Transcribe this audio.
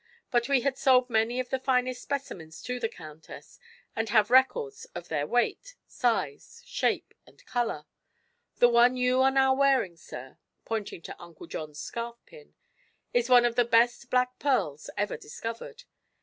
But we had sold many of the finest specimens to the countess and have records of their weight, size, shape and color. The one you are now wearing, sir," pointing to Uncle John's scarf pin, "is one of the best black pearls ever discovered.